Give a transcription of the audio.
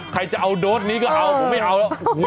ใครจะเอาโดสนี้ก็เอาผมไม่เอาแล้ว